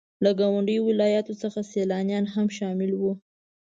له ګاونډيو ولاياتو څخه سيلانيان هم شامل وو.